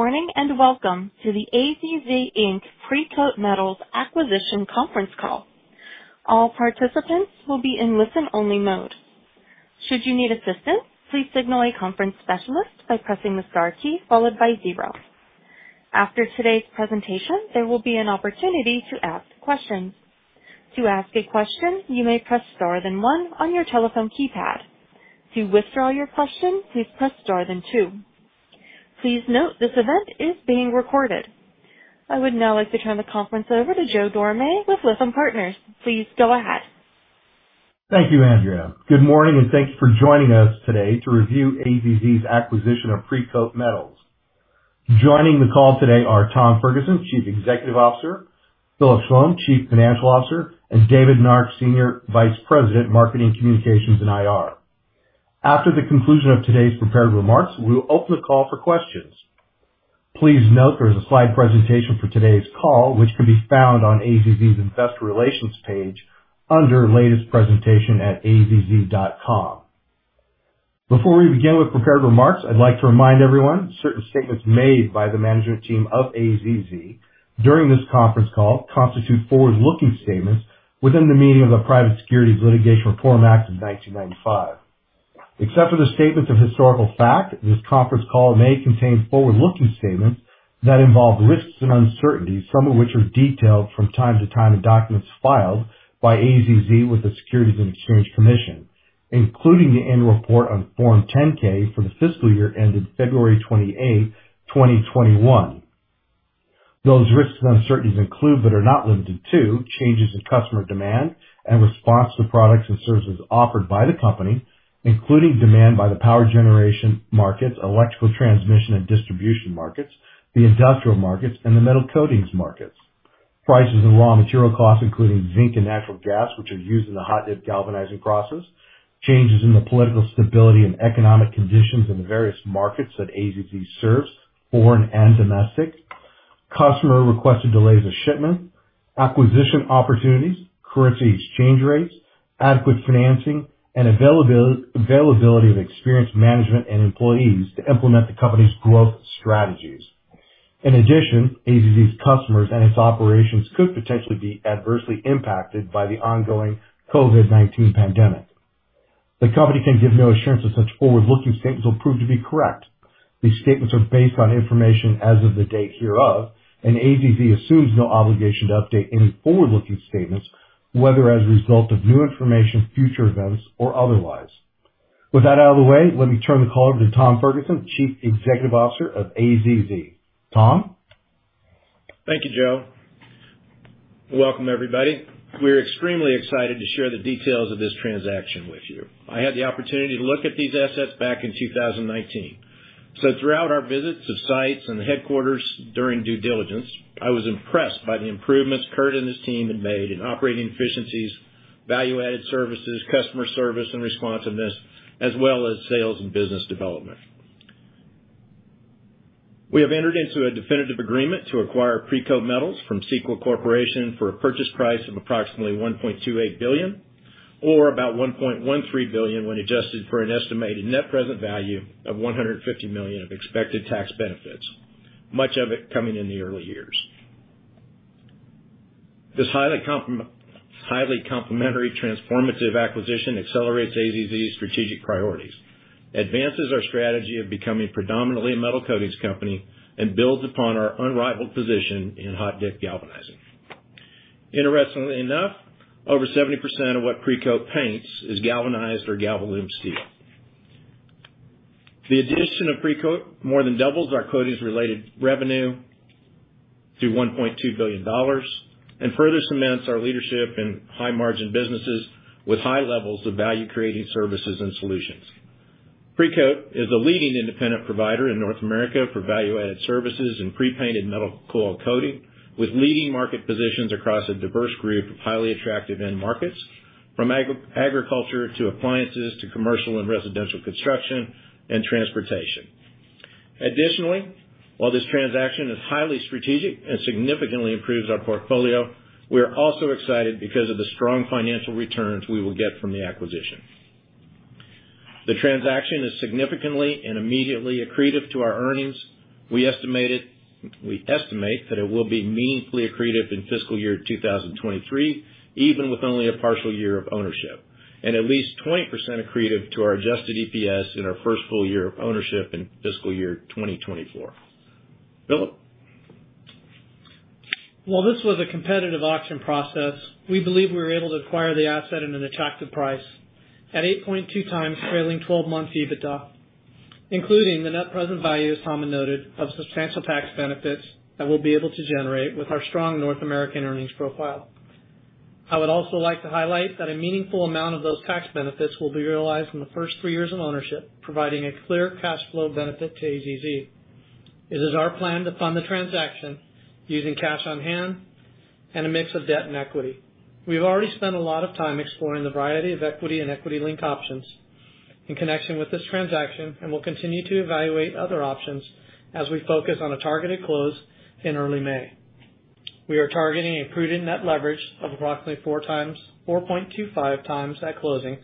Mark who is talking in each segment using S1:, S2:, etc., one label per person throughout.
S1: Good morning, and welcome to the AZZ Inc. Precoat Metals Acquisition conference call. All participants will be in listen-only mode. Should you need assistance, please signal a conference specialist by pressing the star key followed by zero. After today's presentation, there will be an opportunity to ask questions. To ask a question, you may press star then one on your telephone keypad. To withdraw your question, please press star then two. Please note this event is being recorded. I would now like to turn the conference over to Joe Dorame with Lytham Partners. Please go ahead.
S2: Thank you, Andrea. Good morning, and thanks for joining us today to review AZZ's acquisition of Precoat Metals. Joining the call today are Tom Ferguson, Chief Executive Officer, Philip Schlom, Chief Financial Officer, and David Nark, Senior Vice President, Marketing, Communications, and IR. After the conclusion of today's prepared remarks, we'll open the call for questions. Please note there is a slide presentation for today's call, which can be found on AZZ's Investor Relations page under Latest Presentation at azz.com. Before we begin with prepared remarks, I'd like to remind everyone, certain statements made by the management team of AZZ during this conference call constitute forward-looking statements within the meaning of the Private Securities Litigation Reform Act of 1995. Except for the statements of historical fact, this conference call may contain forward-looking statements that involve risks and uncertainties, some of which are detailed from time to time in documents filed by AZZ with the Securities and Exchange Commission, including the annual report on Form 10-K for the fiscal year ended February 28, 2021. Those risks and uncertainties include, but are not limited to, changes in customer demand and response to products and services offered by the company, including demand by the power generation markets, electrical transmission and distribution markets, the industrial markets, and the metal coatings markets, prices and raw material costs, including zinc and natural gas, which are used in the hot-dip galvanizing process, changes in the political stability and economic conditions in the various markets that AZZ serves, foreign and domestic. Customer requested delays of shipment, acquisition opportunities, currency exchange rates, adequate financing, and availability of experienced management and employees to implement the company's growth strategies. In addition, AZZ's customers and its operations could potentially be adversely impacted by the ongoing COVID-19 pandemic. The company can give no assurance that such forward-looking statements will prove to be correct. These statements are based on information as of the date hereof, and AZZ assumes no obligation to update any forward-looking statements, whether as a result of new information, future events, or otherwise. With that out of the way, let me turn the call over to Tom Ferguson, Chief Executive Officer of AZZ. Tom?
S3: Thank you, Joe. Welcome, everybody. We're extremely excited to share the details of this transaction with you. I had the opportunity to look at these assets back in 2019. Throughout our visits of sites and the headquarters during due diligence, I was impressed by the improvements Kurt and his team had made in operating efficiencies, value-added services, customer service and responsiveness, as well as sales and business development. We have entered into a definitive agreement to acquire Precoat Metals from Sequa Corporation for a purchase price of approximately $1.28 billion or about $1.13 billion when adjusted for an estimated net present value of $150 million of expected tax benefits, much of it coming in the early years. This highly complementary transformative acquisition accelerates AZZ's strategic priorities, advances our strategy of becoming predominantly a metal coatings company, and builds upon our unrivaled position in hot-dip galvanizing. Interestingly enough, over 70% of what Precoat paints is galvanized or Galvalume steel. The addition of Precoat more than doubles our coatings-related revenue to $1.2 billion and further cements our leadership in high-margin businesses with high levels of value-creating services and solutions. Precoat is a leading independent provider in North America for value-added services and pre-painted metal coil coating, with leading market positions across a diverse group of highly attractive end markets, from agriculture to appliances to commercial and residential construction and transportation. Additionally, while this transaction is highly strategic and significantly improves our portfolio, we are also excited because of the strong financial returns we will get from the acquisition. The transaction is significantly and immediately accretive to our earnings. We estimate that it will be meaningfully accretive in fiscal year 2023, even with only a partial year of ownership, and at least 20% accretive to our adjusted EPS in our first full year of ownership in fiscal year 2024. Philip?
S4: While this was a competitive auction process, we believe we were able to acquire the asset at an attractive price at 8.2x trailing twelve-month EBITDA, including the net present value, as Tom noted, of substantial tax benefits that we'll be able to generate with our strong North American earnings profile. I would also like to highlight that a meaningful amount of those tax benefits will be realized in the first three years of ownership, providing a clear cash flow benefit to AZZ. It is our plan to fund the transaction using cash on hand and a mix of debt and equity. We've already spent a lot of time exploring the variety of equity and equity-linked options in connection with this transaction and will continue to evaluate other options as we focus on a targeted close in early May. We are targeting a prudent net leverage of approximately 4.25x at closing.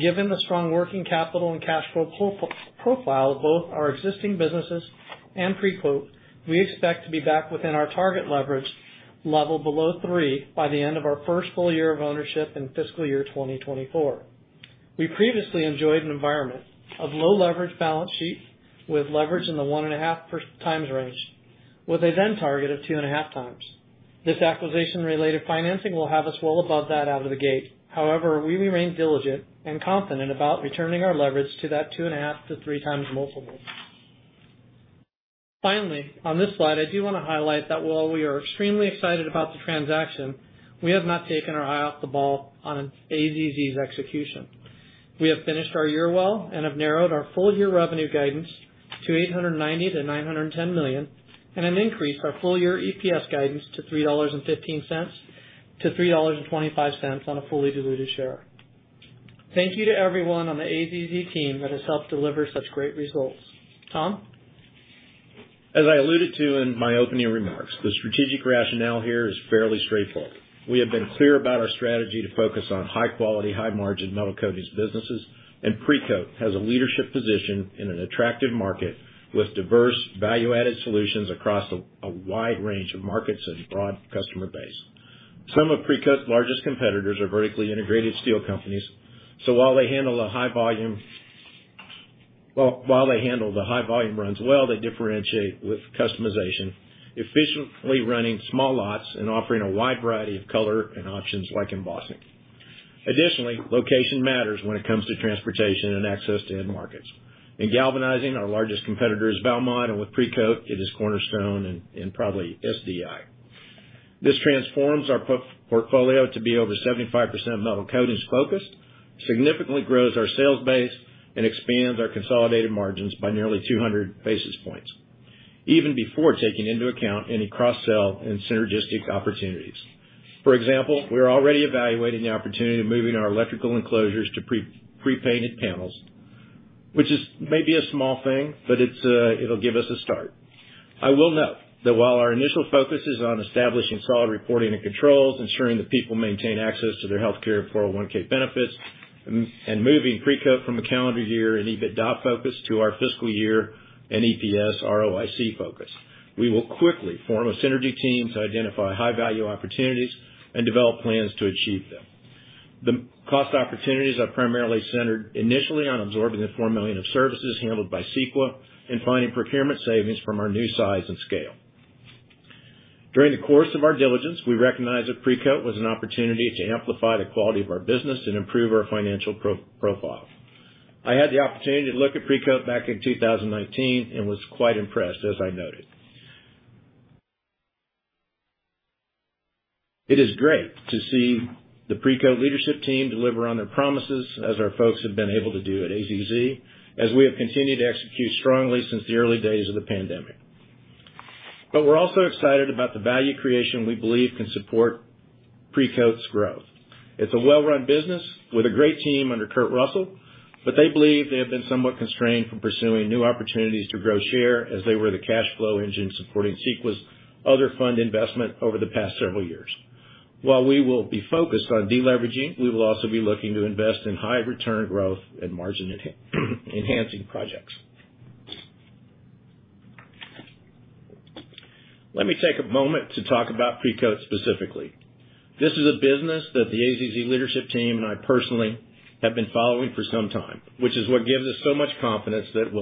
S4: Given the strong working capital and cash flow pro-profile of both our existing businesses and Precoat, we expect to be back within our target leverage level below three by the end of our first full year of ownership in fiscal year 2024. We previously enjoyed an environment of low leverage balance sheets with leverage in the 1.5x range, with a then target of 2.5x. This acquisition-related financing will have us well above that out of the gate. However, we remain diligent and confident about returning our leverage to that 2.5-3x multiple. Finally, on this slide, I do wanna highlight that while we are extremely excited about the transaction, we have not taken our eye off the ball on AZZ's execution. We have finished our year well and have narrowed our full year revenue guidance to $890 million-$910 million, and increased our full year EPS guidance to $3.15-$3.25 on a fully diluted share. Thank you to everyone on the AZZ team that has helped deliver such great results. Tom?
S3: As I alluded to in my opening remarks, the strategic rationale here is fairly straightforward. We have been clear about our strategy to focus on high quality, high margin metal coatings businesses, and Precoat has a leadership position in an attractive market with diverse value-added solutions across a wide range of markets and broad customer base. Some of Precoat's largest competitors are vertically integrated steel companies, so while they handle the high volume runs well, they differentiate with customization, efficiently running small lots and offering a wide variety of color and options like embossing. Additionally, location matters when it comes to transportation and access to end markets. In galvanizing, our largest competitor is Valmont, and with Precoat, it is Cornerstone and probably SDI. This transforms our portfolio to be over 75% metal coatings focused, significantly grows our sales base, and expands our consolidated margins by nearly 200 basis points, even before taking into account any cross-sell and synergistic opportunities. For example, we're already evaluating the opportunity of moving our electrical enclosures to pre-painted panels, which is maybe a small thing, but it's, it'll give us a start. I will note that while our initial focus is on establishing solid reporting and controls, ensuring that people maintain access to their healthcare and 401(k) benefits, and moving Precoat from a calendar year and EBITDA focus to our fiscal year and EPS ROIC focus, we will quickly form a synergy team to identify high-value opportunities and develop plans to achieve them. The cost opportunities are primarily centered initially on absorbing the $4 million of services handled by Sequa and finding procurement savings from our new size and scale. During the course of our diligence, we recognized that Precoat was an opportunity to amplify the quality of our business and improve our financial profile. I had the opportunity to look at Precoat back in 2019 and was quite impressed, as I noted. It is great to see the Precoat leadership team deliver on their promises, as our folks have been able to do at AZZ, as we have continued to execute strongly since the early days of the pandemic. We're also excited about the value creation we believe can support Precoat's growth. It's a well-run business with a great team under Kurt Russell, but they believe they have been somewhat constrained from pursuing new opportunities to grow share as they were the cash flow engine supporting Sequa's other fund investment over the past several years. While we will be focused on deleveraging, we will also be looking to invest in high return growth and margin enhancing projects. Let me take a moment to talk about Precoat specifically. This is a business that the AZZ leadership team and I personally have been following for some time, which is what gives us so much confidence that it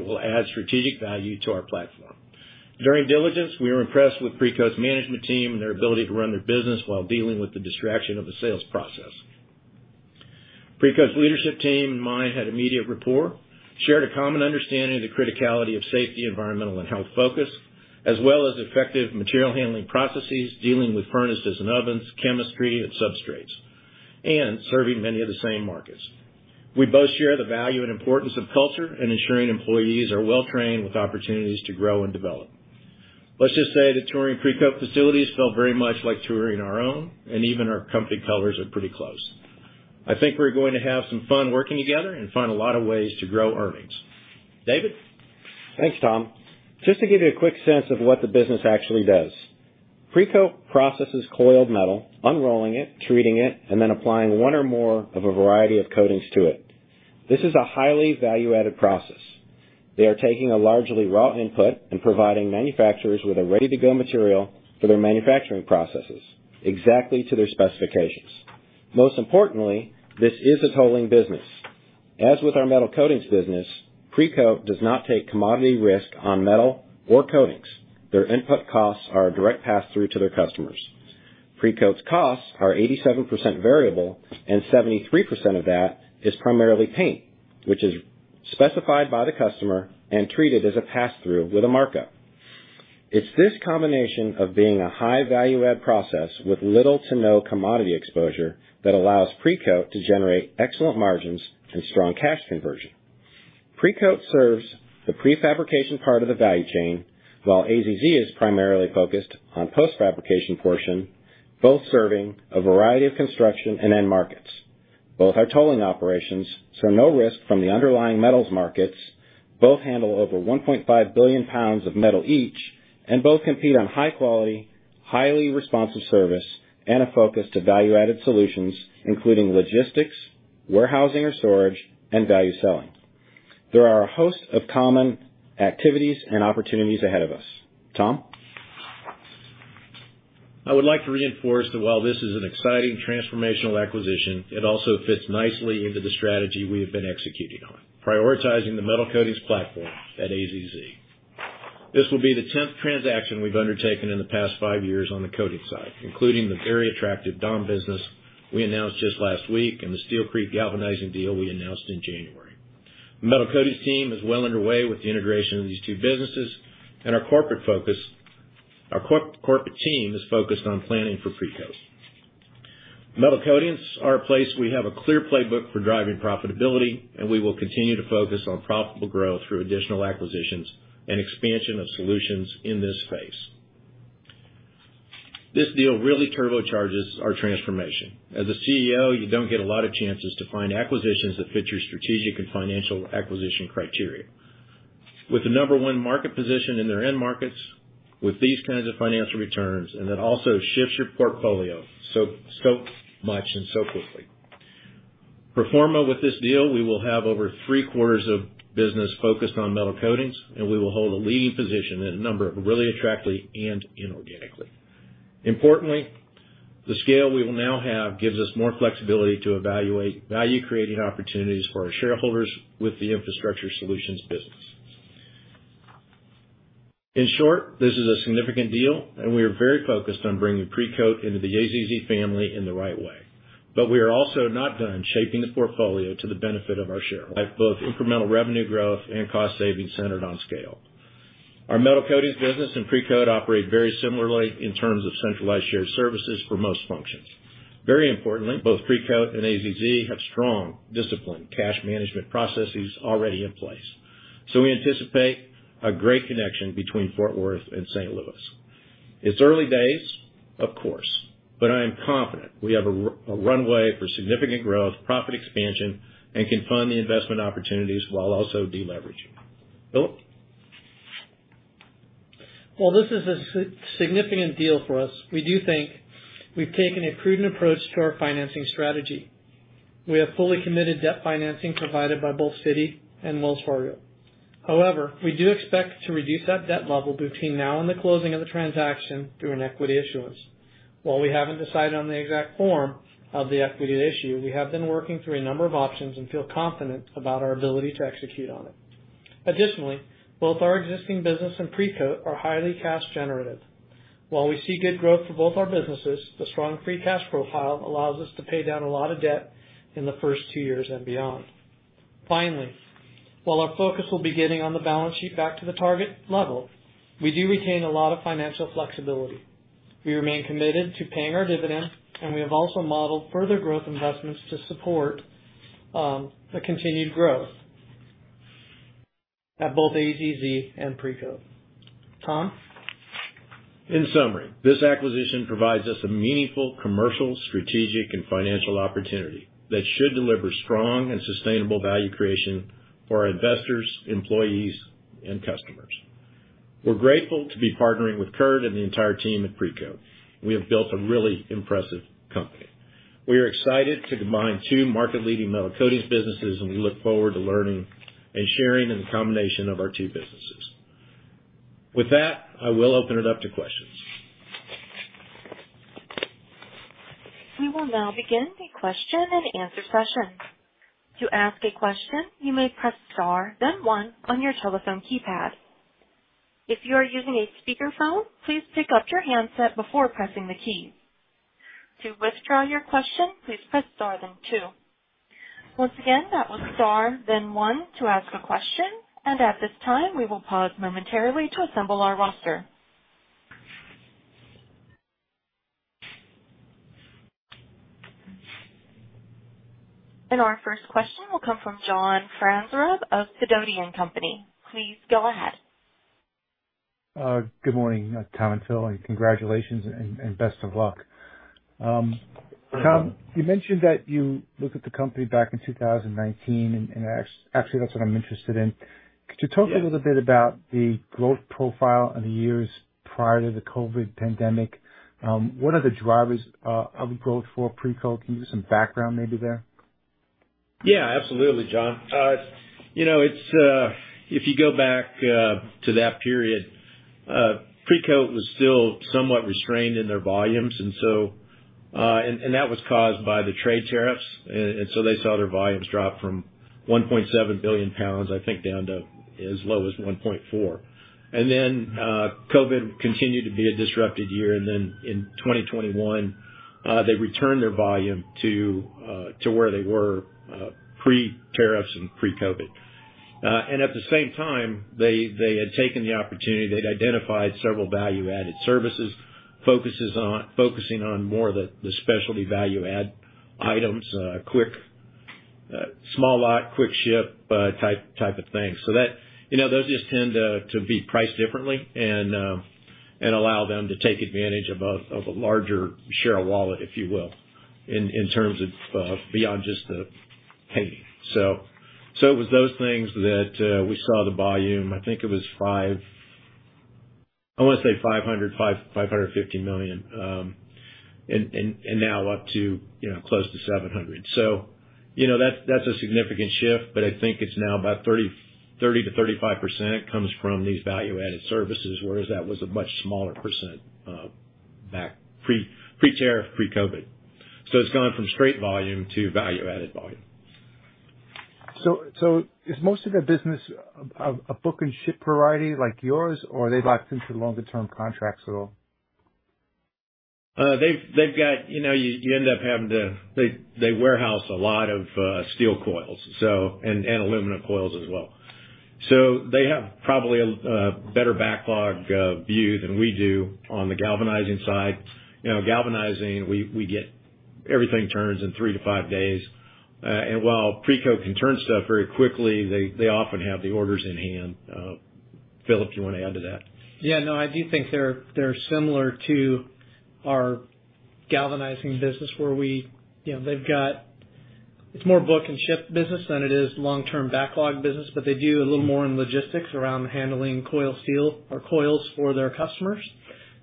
S3: will add strategic value to our platform. During diligence, we were impressed with Precoat's management team and their ability to run their business while dealing with the distraction of the sales process. Precoat's leadership team and mine had immediate rapport, shared a common understanding of the criticality of safety, environmental, and health focus, as well as effective material handling processes, dealing with furnaces and ovens, chemistry and substrates, and serving many of the same markets. We both share the value and importance of culture and ensuring employees are well-trained with opportunities to grow and develop. Let's just say that touring Precoat facilities felt very much like touring our own, and even our company colors are pretty close. I think we're going to have some fun working together and find a lot of ways to grow earnings. David?
S5: Thanks, Tom. Just to give you a quick sense of what the business actually does. Precoat processes coiled metal, unrolling it, treating it, and then applying one or more of a variety of coatings to it. This is a highly value-added process. They are taking a largely raw input and providing manufacturers with a ready-to-go material for their manufacturing processes exactly to their specifications. Most importantly, this is a tolling business. As with our metal coatings business, Precoat does not take commodity risk on metal or coatings. Their input costs are a direct pass-through to their customers. Precoat's costs are 87% variable, and 73% of that is primarily paint, which is specified by the customer and treated as a pass-through with a markup. It's this combination of being a high value add process with little to no commodity exposure that allows Precoat to generate excellent margins and strong cash conversion. Precoat serves the prefabrication part of the value chain, while AZZ is primarily focused on post-fabrication portion, both serving a variety of construction and end markets.
S4: Both are tolling operations, so no risk from the underlying metals markets. Both handle over 1.5 billion pounds of metal each, and both compete on high quality, highly responsive service, and a focus to value-added solutions, including logistics, warehousing or storage, and value selling. There are a host of common activities and opportunities ahead of us. Tom?
S3: I would like to reinforce that while this is an exciting transformational acquisition, it also fits nicely into the strategy we have been executing on, prioritizing the metal coatings platform at AZZ. This will be the 10th transaction we've undertaken in the past five years on the coating side, including the very attractive DGS business we announced just last week, and the Steel Creek galvanizing deal we announced in January. The metal coatings team is well underway with the integration of these two businesses and our corporate focus. Our corporate team is focused on planning for Precoat. Metal coatings are a place we have a clear playbook for driving profitability, and we will continue to focus on profitable growth through additional acquisitions and expansion of solutions in this space. This deal really turbocharges our transformation. As a CEO, you don't get a lot of chances to find acquisitions that fit your strategic and financial acquisition criteria with the number one market position in their end markets, with these kinds of financial returns, and that also shifts your portfolio so much and so quickly. Pro forma with this deal, we will have over three-quarters of our business focused on metal coatings, and we will hold a leading position in a number of really attractive end markets organically and inorganically. Importantly, the scale we will now have gives us more flexibility to evaluate value-creating opportunities for our shareholders with the Infrastructure Solutions business. In short, this is a significant deal, and we are very focused on bringing Precoat into the AZZ family in the right way. We are also not done shaping the portfolio to the benefit of our shareholders. Both incremental revenue growth and cost savings centered on scale. Our metal coatings business and Precoat operate very similarly in terms of centralized shared services for most functions. Very importantly, both Precoat and AZZ have strong, disciplined cash management processes already in place. We anticipate a great connection between Fort Worth and St. Louis. It's early days, of course, but I am confident we have a runway for significant growth, profit expansion, and can fund the investment opportunities while also deleveraging. Phillp?
S4: While this is a significant deal for us, we do think we've taken a prudent approach to our financing strategy. We have fully committed debt financing provided by both Citi and Wells Fargo. However, we do expect to reduce that debt level between now and the closing of the transaction through an equity issuance. While we haven't decided on the exact form of the equity issue, we have been working through a number of options and feel confident about our ability to execute on it. Additionally, both our existing business and Precoat are highly cash generative. While we see good growth for both our businesses, the strong free cash profile allows us to pay down a lot of debt in the first two years and beyond. Finally, while our focus will be getting the balance sheet back to the target level, we do retain a lot of financial flexibility. We remain committed to paying our dividend, and we have also modeled further growth investments to support the continued growth at both AZZ and Precoat. Tom?
S3: In summary, this acquisition provides us a meaningful commercial, strategic, and financial opportunity that should deliver strong and sustainable value creation for our investors, employees, and customers. We're grateful to be partnering with Kurt and the entire team at Precoat. We have built a really impressive company. We are excited to combine two market-leading metal coatings businesses, and we look forward to learning and sharing in the combination of our two businesses. With that, I will open it up to questions.
S1: We will now begin the question and answer session. To ask a question, you may press star, then one on your telephone keypad. If you are using a speakerphone, please pick up your handset before pressing the key. To withdraw your question, please press star then two. Once again, that was star then one to ask a question, and at this time, we will pause momentarily to assemble our roster. Our first question will come from John Franzreb of Sidoti & Company. Please go ahead.
S6: Good morning, Tom and Phil, and congratulations and best of luck.
S3: Good morning.
S6: Tom, you mentioned that you looked at the company back in 2019, and actually that's what I'm interested in.
S3: Yes.
S6: Could you talk a little bit about the growth profile in the years prior to the COVID-19 pandemic? What are the drivers of growth for Precoat? Can you give some background maybe there?
S3: Yeah, absolutely, John. You know, it's if you go back to that period, Precoat was still somewhat restrained in their volumes, and that was caused by the trade tariffs. So they saw their volumes drop from 1.7 billion pounds, I think, down to as low as 1.4 billion pounds. Then COVID-19 continued to be a disrupted year. Then in 2021, they returned their volume to where they were pre-tariffs and pre-COVID-19. And at the same time, they had taken the opportunity. They'd identified several value-added services, focusing on more the specialty value-add items, quick small lot, quick ship type of thing. That you know, those just tend to be priced differently and allow them to take advantage of a larger share of wallet, if you will, in terms of beyond just the pay. It was those things that we saw the volume. I think it was $550 million. And now up to, you know, close to $700 million. You know, that's a significant shift, but I think it's now about 30%-35% comes from these value-added services, whereas that was a much smaller percent back pre-tariff, pre-COVID. It's gone from straight volume to value-added volume.
S6: Is most of their business a book-and-ship variety like yours or are they locked into longer term contracts at all?
S3: They've got, you know, they warehouse a lot of steel coils, so and aluminum coils as well. They have probably a better backlog view than we do on the galvanizing side. You know, galvanizing, we get everything turns in 3-5 days, and while Precoat can turn stuff very quickly, they often have the orders in hand. Philip, do you want to add to that?
S4: Yeah, no. I do think they're similar to our galvanizing business where we, you know, they've got. It's more book and ship business than it is long-term backlog business, but they do a little more in logistics around handling coil steel or coils for their customers,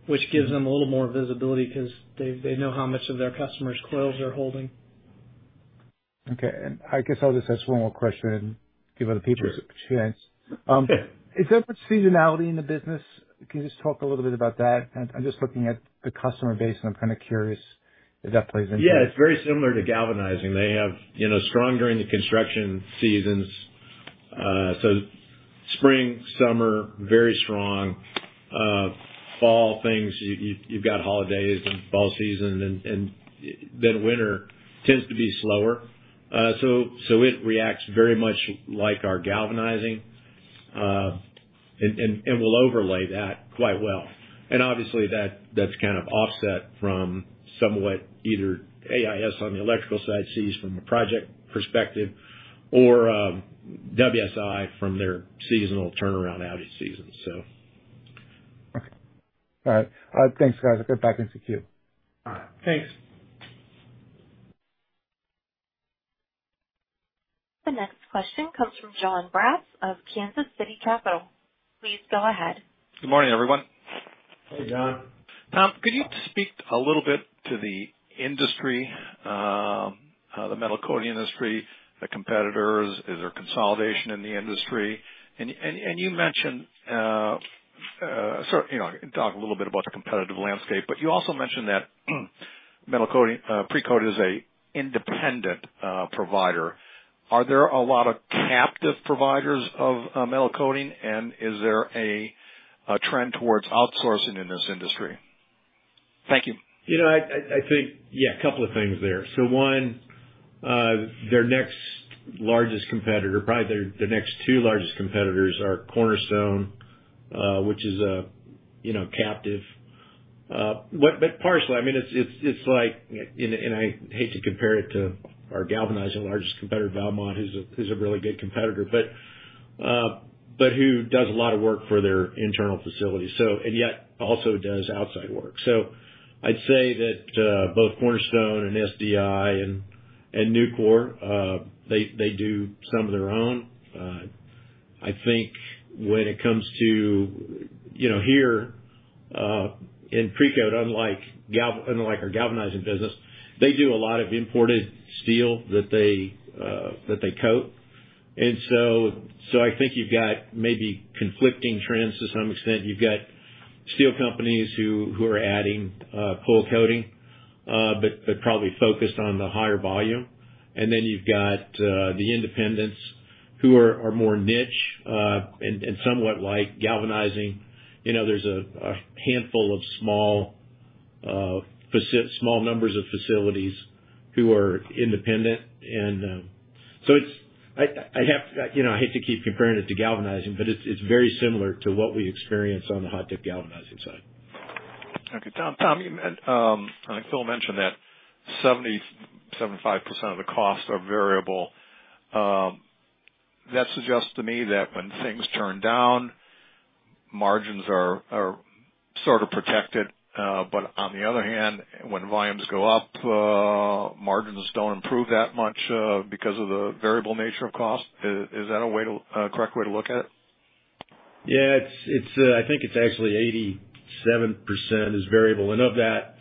S4: which gives them a little more visibility 'cause they know how much of their customers' coils they're holding.
S6: Okay. I guess I'll just ask one more question and give other people a chance.
S3: Sure.
S6: Is there much seasonality in the business? Can you just talk a little bit about that? I'm just looking at the customer base, and I'm kind of curious if that plays into it.
S3: Yeah. It's very similar to galvanizing. They have, you know, strong during the construction seasons. So spring, summer, very strong. Fall things, you've got holidays and fall season and then winter tends to be slower. So it reacts very much like our galvanizing and will overlay that quite well. Obviously that's kind of offset from somewhat either AIS on the electrical side sees from a project perspective or WSI from their seasonal turnaround outage season, so.
S6: Okay. All right. Thanks, guys. I'll get back into queue.
S3: All right.
S4: Thanks.
S1: The next question comes from Jon Braatz of Kansas City Capital. Please go ahead.
S7: Good morning, everyone.
S3: Hey, John.
S7: Tom, could you speak a little bit to the industry, the metal coating industry, the competitors? Is there consolidation in the industry? You mentioned, you know, talk a little bit about the competitive landscape, but you also mentioned that metal coating, Precoat is a independent provider. Are there a lot of captive providers of metal coating? Is there a trend towards outsourcing in this industry? Thank you.
S3: You know, I think, yeah, a couple of things there. One, their next largest competitor, probably their next two largest competitors are Cornerstone, which is a, you know, captive. But partially, I mean, it's like, I hate to compare it to our galvanizing largest competitor, Valmont, who's a really good competitor, but who does a lot of work for their internal facilities, and yet also does outside work. I'd say that both Cornerstone and SDI and Nucor, they do some of their own. I think when it comes to, you know, here, in Precoat, unlike our galvanizing business, they do a lot of imported steel that they coat. I think you've got maybe conflicting trends to some extent. You've got steel companies who are adding coil coating, but they're probably focused on the higher volume. Then you've got the independents who are more niche and somewhat like galvanizing. You know, there's a handful of small numbers of facilities who are independent, and so it's, you know, I hate to keep comparing it to galvanizing, but it's very similar to what we experience on the hot-dip galvanizing side.
S7: Okay. Tom, I think Phil mentioned that 75% of the costs are variable. That suggests to me that when things turn down, margins are sort of protected. But on the other hand, when volumes go up, margins don't improve that much because of the variable nature of cost. Is that a correct way to look at it?
S3: Yeah, I think it's actually 87% is variable. Of that,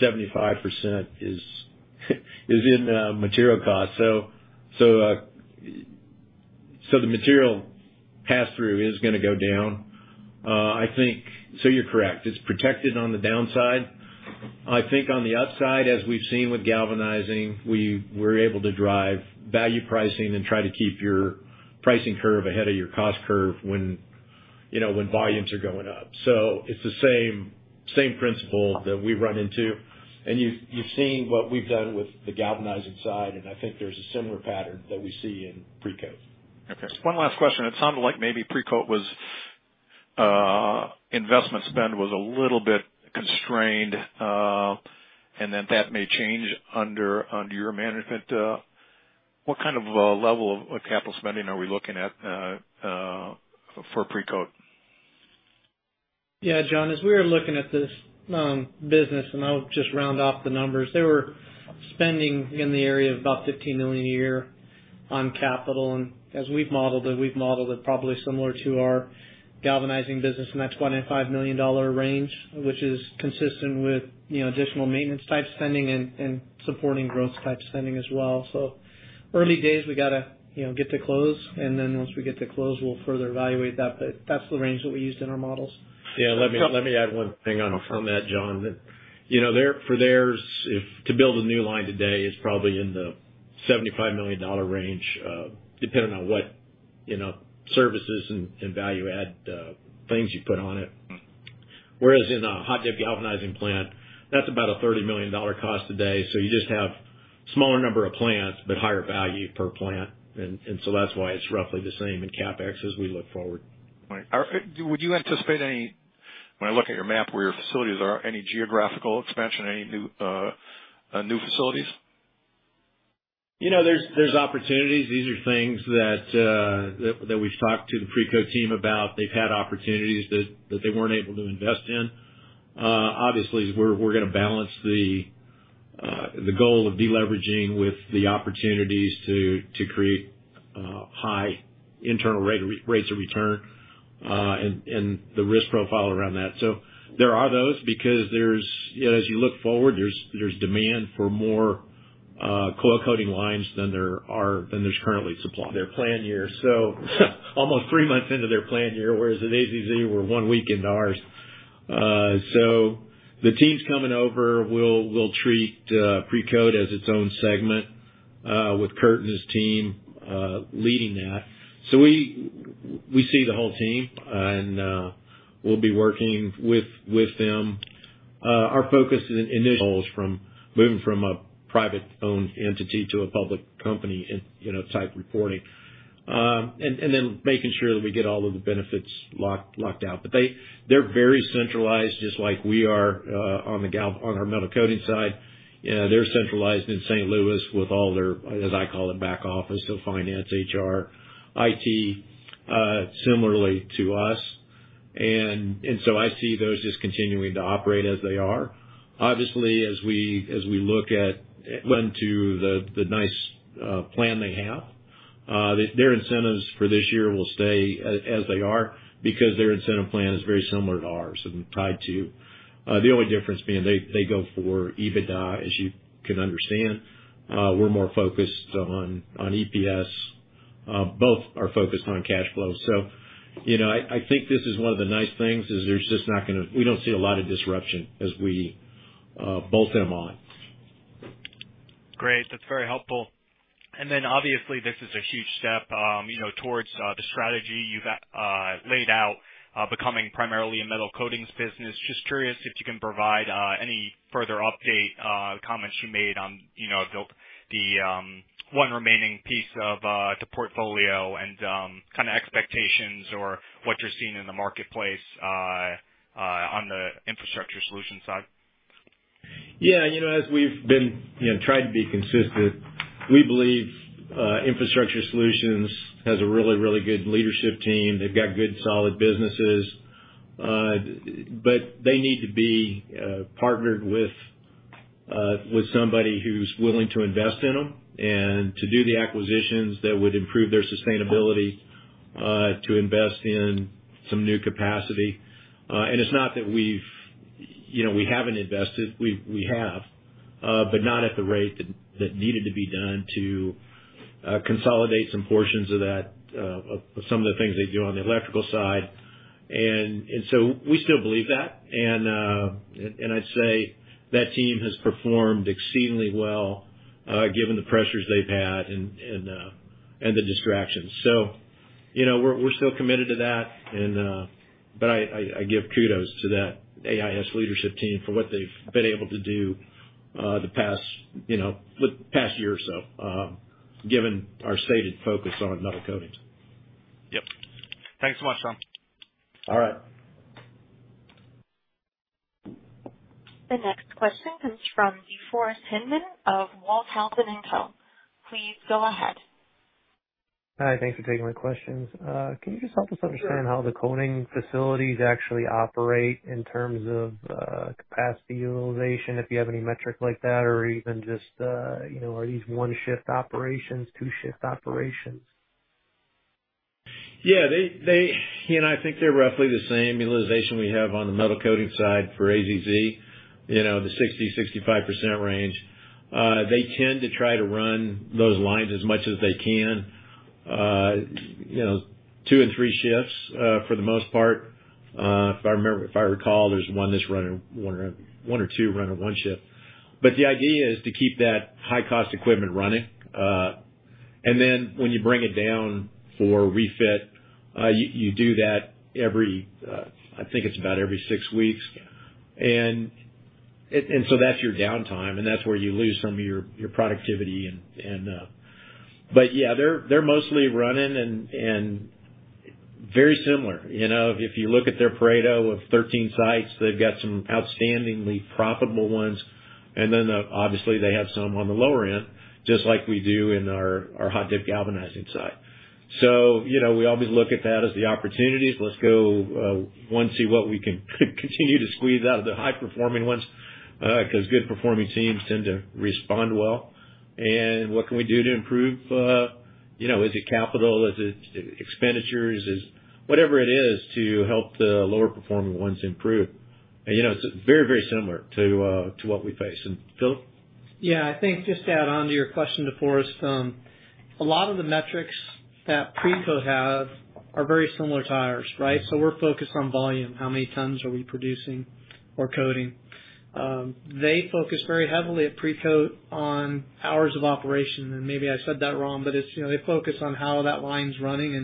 S3: 75% is in material cost. The material pass-through is gonna go down. You're correct, it's protected on the downside. I think on the upside, as we've seen with galvanizing, we're able to drive value pricing and try to keep your pricing curve ahead of your cost curve when, you know, when volumes are going up. It's the same principle that we run into. You've seen what we've done with the galvanizing side, and I think there's a similar pattern that we see in Precoat.
S7: Okay. One last question. It sounded like maybe Precoat was Investment spend was a little bit constrained, and then that may change under your management. What kind of a level of capital spending are we looking at for Precoat?
S4: Yeah, John, as we were looking at this business, I'll just round off the numbers. They were spending in the area of about $15 million a year on capital. We've modeled it probably similar to our galvanizing business, and that's $1 million-$5 million range, which is consistent with, you know, additional maintenance type spending and supporting growth type spending as well. Early days, we got to, you know, get to close, and then once we get to close, we'll further evaluate that. That's the range that we used in our models.
S3: Yeah. Let me add one thing on from that, John, that you know their, for theirs, it to build a new line today is probably in the $75 million range, depending on what you know services and value add things you put on it. Whereas in a hot-dip galvanizing plant, that's about a $30 million cost today. You just have smaller number of plants, but higher value per plant. That's why it's roughly the same in CapEx as we look forward.
S7: Right. Would you anticipate any, when I look at your map where your facilities are, any geographical expansion, any new facilities?
S3: You know, there's opportunities. These are things that we've talked to the Precoat team about. They've had opportunities that they weren't able to invest in. Obviously we're gonna balance the goal of deleveraging with the opportunities to create high internal rates of return, and the risk profile around that. There are those because there's, you know, as you look forward, there's demand for more coil coating lines than there's currently supply. Their plan year, so almost three months into their plan year, whereas at AZZ we're one week into ours. The teams coming over will treat Precoat as its own segment, with Kurt and his team leading that. We see the whole team and we'll be working with them. Our focus initially from moving from a privately owned entity to a public company and, you know, timely reporting. Then making sure that we get all of the benefits locked out. They're very centralized, just like we are, on our metal coating side. They're centralized in St. Louis with all their, as I call it, back office, so finance, HR, IT, similarly to us. I see those just continuing to operate as they are. Obviously, as we look at when to integrate the incentive plan they have, their incentives for this year will stay as they are because their incentive plan is very similar to ours and tied to. The only difference being they go for EBITDA, as you can understand. We're more focused on EPS. Both are focused on cash flow. You know, I think this is one of the nice things, that there's just not gonna be a lot of disruption as we bolt them on.
S7: Great. That's very helpful. Obviously, this is a huge step, you know, towards the strategy you've laid out becoming primarily a metal coatings business. Just curious if you can provide any further update comments you made on, you know, the one remaining piece of the portfolio and kind of expectations or what you're seeing in the marketplace on the Infrastructure Solutions side.
S3: Yeah. You know, as we've tried to be consistent, we believe Infrastructure Solutions has a really good leadership team. They've got good solid businesses. They need to be partnered with somebody who's willing to invest in them and to do the acquisitions that would improve their sustainability, to invest in some new capacity. It's not that we haven't invested. We have, but not at the rate that needed to be done to consolidate some portions of that, some of the things they do on the electrical side. We still believe that. I'd say that team has performed exceedingly well, given the pressures they've had and the distractions. You know, we're still committed to that. I give kudos to that AIS leadership team for what they've been able to do, you know, the past year or so, given our stated focus on metal coatings.
S7: Yep. Thanks so much, John.
S3: All right.
S1: The next question comes from Deforrest Hinman of Walthausen & Co. Please go ahead.
S8: Hi. Thanks for taking my questions. Can you just help us understand how the coating facilities actually operate in terms of, capacity utilization, if you have any metrics like that, or even just, you know, are these one-shift operations, two-shift operations?
S3: Yeah. They, you know, I think they're roughly the same utilization we have on the metal coating side for AZZ, you know, the 60%-65% range. They tend to try to run those lines as much as they can, you know, two and three shifts, for the most part. If I remember, if I recall, there's one or two running one shift. The idea is to keep that high cost equipment running. Then when you bring it down for refit, you do that every, I think it's about every six weeks. So that's your downtime, and that's where you lose some of your productivity. Yeah, they're mostly running and very similar. You know, if you look at their Pareto of 13 sites, they've got some outstandingly profitable ones. Obviously they have some on the lower end, just like we do in our hot-dip galvanizing side. You know, we always look at that as the opportunities. Let's go one, see what we can continue to squeeze out of the high-performing ones, 'cause good performing teams tend to respond well. What can we do to improve, you know, is it capital? Is it expenditures? Is whatever it is to help the lower performing ones improve. You know, it's very, very similar to what we face. Philip?
S4: Yeah, I think just to add on to your question, Deforrest, a lot of the metrics that Precoat have are very similar to ours, right? We're focused on volume, how many tons are we producing or coating. They focus very heavily at Precoat on hours of operation, and maybe I said that wrong, but it's, you know, they focus on how that line's running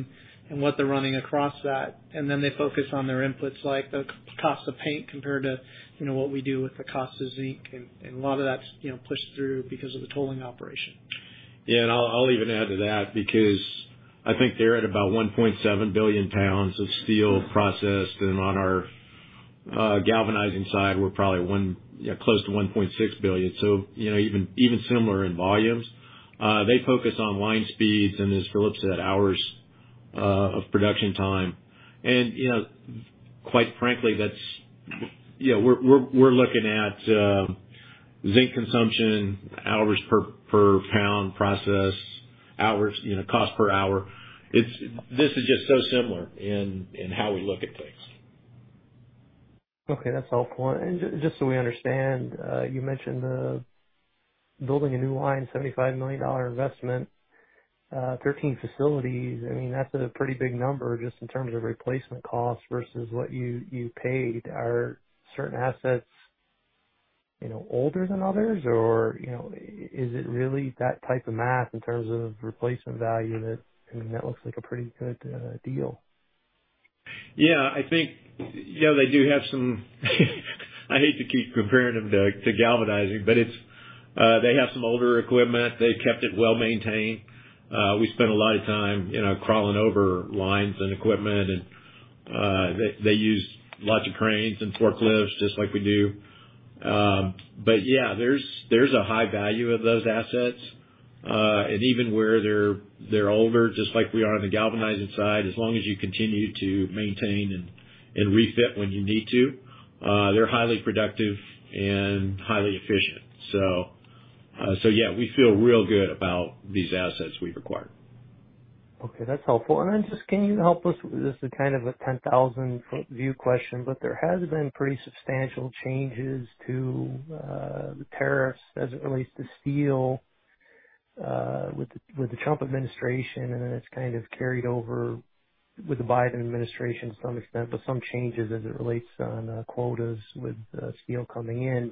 S4: and what they're running across that. They focus on their inputs, like the cost of paint compared to, you know, what we do with the cost of zinc. A lot of that's, you know, pushed through because of the tolling operation.
S3: Yeah. I'll even add to that because I think they're at about 1.7 billion pounds of steel processed, and on our galvanizing side, we're probably yeah, close to 1.6 billion. You know, even similar in volumes. They focus on line speeds and, as Philip said, hours of production time. You know, quite frankly, that's, you know, we're looking at zinc consumption, hours per pound processed, hours, you know, cost per hour. It's. This is just so similar in how we look at things.
S8: Okay. That's helpful. Just so we understand, you mentioned building a new line, $75 million investment, 13 facilities. I mean, that's a pretty big number just in terms of replacement costs versus what you paid. Are certain assets, you know, older than others or, you know, is it really that type of math in terms of replacement value that, I mean, that looks like a pretty good deal?
S3: Yeah. I think, you know, they do have some. I hate to keep comparing them to galvanizing, they have some older equipment. They've kept it well-maintained. We spent a lot of time, you know, crawling over lines and equipment, and they use lots of cranes and forklifts just like we do. Yeah, there's a high value of those assets. Even where they're older, just like we are on the galvanizing side, as long as you continue to maintain and refit when you need to, they're highly productive and highly efficient. Yeah, we feel real good about these assets we've acquired.
S8: Okay. That's helpful. Just can you help us with. This is kind of a 10,000-foot view question, but there has been pretty substantial changes to the tariffs as it relates to steel with the Trump administration, and then it's kind of carried over with the Biden administration to some extent, but some changes as it relates to quotas with steel coming in.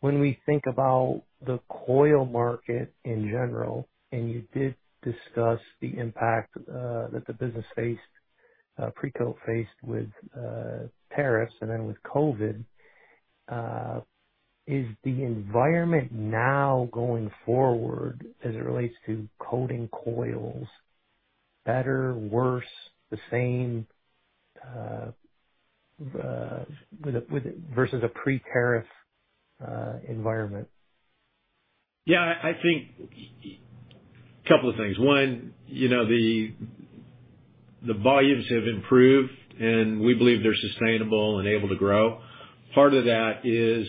S8: When we think about the coil market in general, and you did discuss the impact that the business faced, Precoat faced with tariffs and then with COVID-19, is the environment now going forward as it relates to coating coils better, worse, the same versus a pre-tariff environment?
S3: Yeah. I think. Couple of things. One, you know, the volumes have improved, and we believe they're sustainable and able to grow. Part of that is,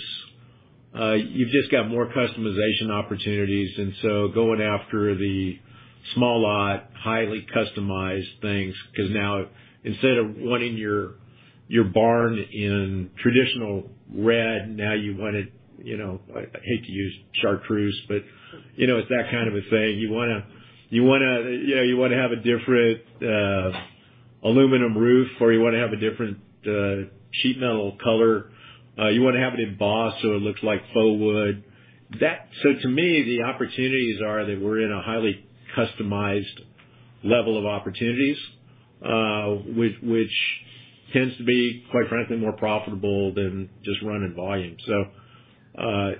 S3: you've just got more customization opportunities, and so going after the small lot, highly customized things, 'cause now instead of wanting your barn in traditional red, now you want it, you know, I hate to use chartreuse, but, you know, it's that kind of a thing. You wanna have a different aluminum roof, or you wanna have a different sheet metal color. You wanna have it embossed so it looks like faux wood. To me, the opportunities are that we're in a highly customized level of opportunities, which tends to be, quite frankly, more profitable than just running volume. I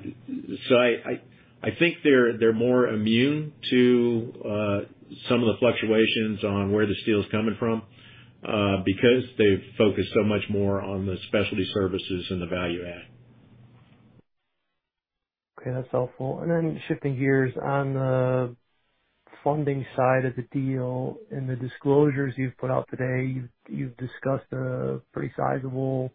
S3: think they're more immune to some of the fluctuations on where the steel's coming from, because they've focused so much more on the specialty services and the value add.
S8: Okay. That's helpful. Shifting gears, on the funding side of the deal, in the disclosures you've put out today, you've discussed a pretty sizable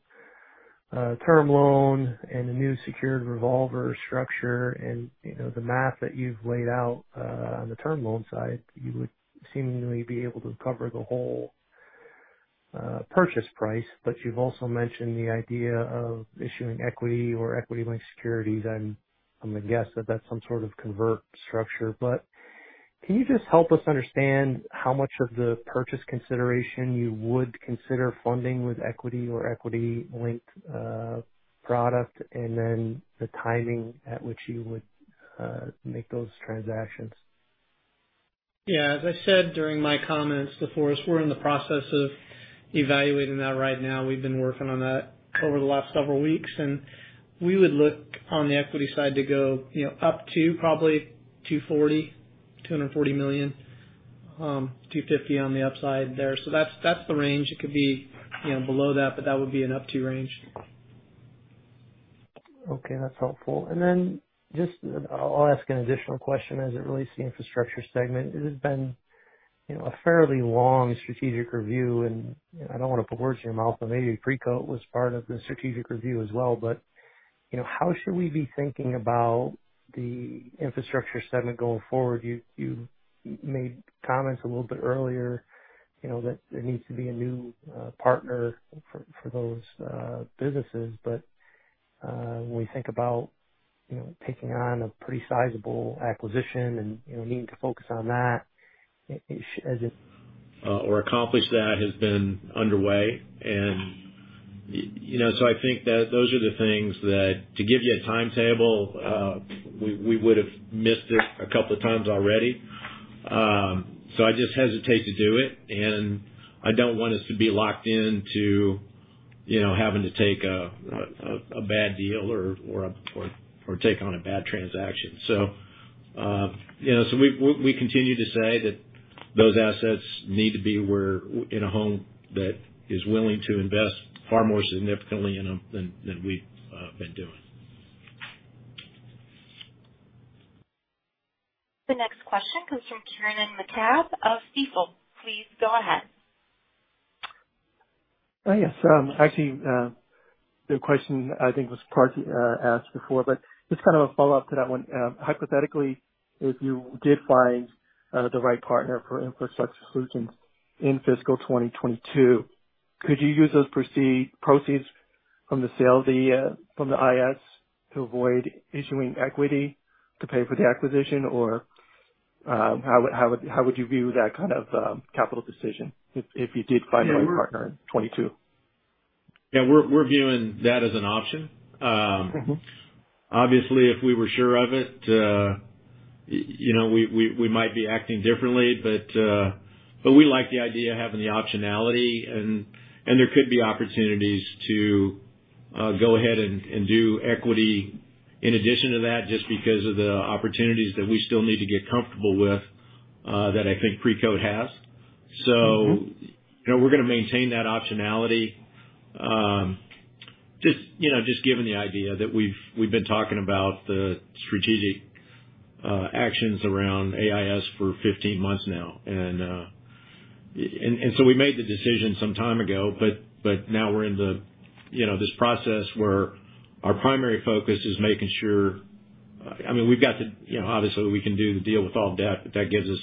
S8: term loan and a new secured revolver structure. You know, the math that you've laid out on the term loan side, you would seemingly be able to cover the whole purchase price. You've also mentioned the idea of issuing equity or equity-linked securities. I'm gonna guess that that's some sort of convert structure. Can you just help us understand how much of the purchase consideration you would consider funding with equity or equity-linked product, and then the timing at which you would make those transactions?
S4: Yeah, as I said during my comments before, we're in the process of evaluating that right now. We've been working on that over the last several weeks, and we would look on the equity side to go, you know, up to probably $240 million-$250 million on the upside there. So that's the range. It could be, you know, below that, but that would be an up to range.
S8: Okay, that's helpful. Just I'll ask an additional question as it relates to the infrastructure segment. It has been, you know, a fairly long strategic review, and I don't wanna put words in your mouth, but maybe Precoat was part of the strategic review as well. You know, how should we be thinking about the infrastructure segment going forward? You made comments a little bit earlier, you know, that there needs to be a new partner for those businesses. When we think about, you know, taking on a pretty sizable acquisition and, you know, needing to focus on that, as it-
S3: or accomplish that has been underway. You know, so I think that those are the things that to give you a timetable, we would've missed it a couple of times already. I just hesitate to do it, and I don't want us to be locked in to, you know, having to take a bad deal or take on a bad transaction. You know, we continue to say that those assets need to be where in a home that is willing to invest far more significantly in them than we've been doing.
S1: The next question comes from Kieran McCabe of Stifel. Please go ahead.
S9: Yes. Actually, the question I think was partially asked before, but just kind of a follow-up to that one. Hypothetically, if you did find the right partner for Infrastructure Solutions in fiscal 2022, could you use those proceeds from the sale of the IS to avoid issuing equity to pay for the acquisition? Or, how would you view that kind of capital decision if you did find the right partner in 2022?
S3: Yeah, we're viewing that as an option.
S9: Mm-hmm.
S3: Obviously, if we were sure of it, you know, we might be acting differently. We like the idea of having the optionality and there could be opportunities to go ahead and do equity in addition to that, just because of the opportunities that we still need to get comfortable with that I think Precoat has.
S9: Mm-hmm.
S3: You know, we're gonna maintain that optionality. Just, you know, just given the idea that we've been talking about the strategic actions around AIS for 15 months now. We made the decision some time ago, but now we're in the, you know, this process where our primary focus is making sure, I mean, we've got to, you know, obviously, we can do the deal with all debt, but that gives us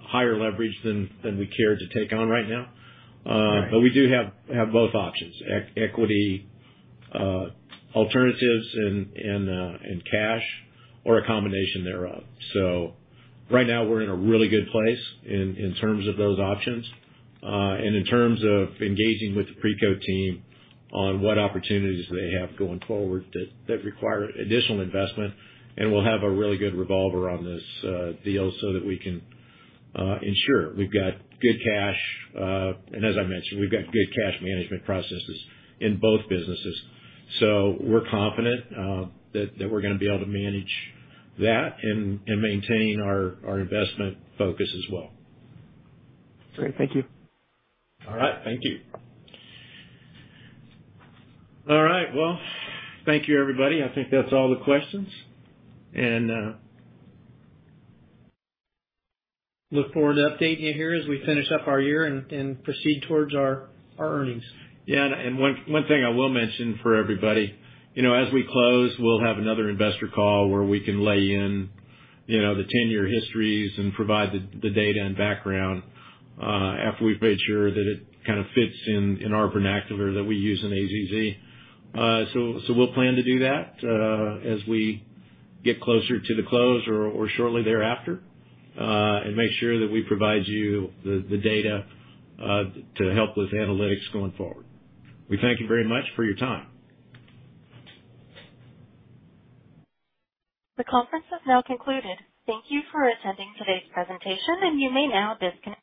S3: higher leverage than we care to take on right now.
S9: Right.
S3: We do have both options, equity alternatives and cash or a combination thereof. Right now we're in a really good place in terms of those options and engaging with the Precoat team on what opportunities they have going forward that require additional investment. We'll have a really good revolver on this deal so that we can ensure we've got good cash. As I mentioned, we've got good cash management processes in both businesses. We're confident that we're gonna be able to manage that and maintain our investment focus as well.
S9: Great. Thank you.
S3: All right. Thank you. All right. Well, thank you everybody. I think that's all the questions.
S4: Look forward to updating you here as we finish up our year and proceed towards our earnings.
S3: One thing I will mention for everybody, you know, as we close, we'll have another investor call where we can lay in, you know, the 10-year histories and provide the data and background after we've made sure that it kind of fits in our vernacular that we use in AZZ. So we'll plan to do that as we get closer to the close or shortly thereafter and make sure that we provide you the data to help with analytics going forward. We thank you very much for your time.
S1: The conference has now concluded. Thank you for attending today's presentation, and you may now disconnect.